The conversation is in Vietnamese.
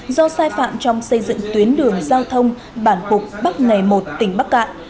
do sai phạm trong xây dựng tuyến đường giao thông bản phục bắc ngày một tỉnh bắc cạn